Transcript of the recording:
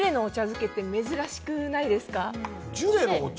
漬けって珍しくないですか？